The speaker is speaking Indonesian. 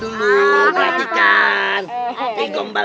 hei siap aku telpon ya